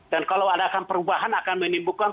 dan kalau ada perubahan akan menimbulkan